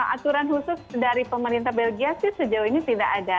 aturan khusus dari pemerintah belgia sih sejauh ini tidak ada